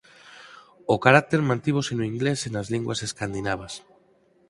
O carácter mantívose no inglés e nas linguas escandinavas.